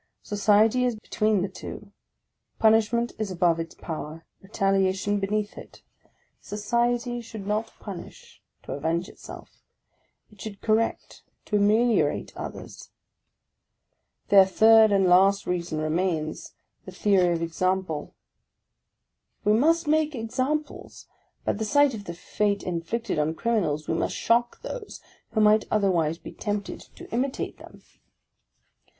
Society is between the two; punishment is above its power, retaliation beneath it. Society 34 PREFACE OF should not punish, to avenge itself; it should correct, to ameliorate others ! Their third and last reason remains, the theory of example. " We must make examples. By the sight of the fate inflicted on criminals, we must shock those who might otherwise bo tempted to imitate them